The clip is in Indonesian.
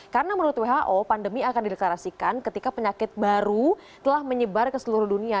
karena menurut who pandemi akan direklarasikan ketika penyakit baru telah menyebar ke seluruh dunia